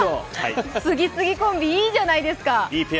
スギスギコンビ、いいじゃないですか。